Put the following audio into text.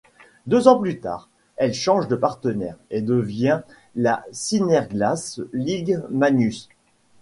Deux ans plus tard, elle change de partenaire et devient la Synerglace Ligue Magnus.